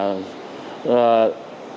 hành chính hoặc là